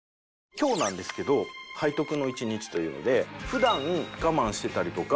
今日なんですけど「背徳の１日」というので普段我慢してたりとか